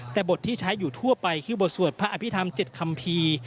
แต่บทที่ใช้อยู่ทั่วไปคือบทสวดพระอภิษฐรรม๗คัมภีร์